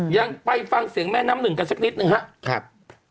ยังไปฟังเสียงแม่น้ำหนึ่งกันสักนิดหนึ่งครับ